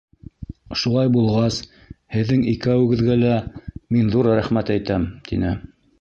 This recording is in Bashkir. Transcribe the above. Шулай булғас, һеҙҙең икәүегеҙгә лә мин ҙур рәхмәт әйтәм, — тине.